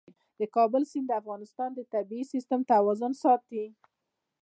د کابل سیند د افغانستان د طبعي سیسټم توازن ساتي.